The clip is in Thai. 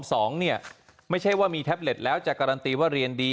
สองเนี่ยไม่ใช่ว่ามีแท็บเล็ตแล้วจะการันตีว่าเรียนดี